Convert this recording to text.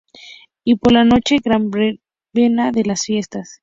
Y por la noche la primera Gran Verbena de las fiestas.